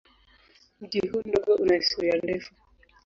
Mji huu mdogo una historia ndefu.